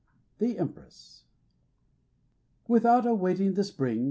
The Empre88 Without awaiting the spring.